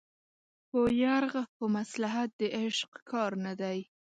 په يرغ په مصلحت د عشق کار نه دی